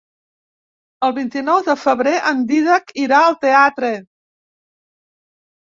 El vint-i-nou de febrer en Dídac irà al teatre.